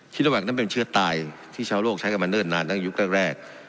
ระหว่างนั้นเป็นเชื้อตายที่ชาวโลกใช้กันมาเนิ่นนานตั้งยุคแรก